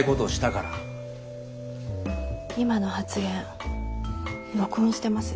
今の発言録音してます。